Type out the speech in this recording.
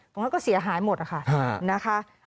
มันก็เสียหายหมดนะคะ